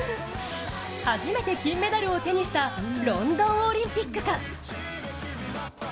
初めて金メダルを手にしたロンドンオリンピックか。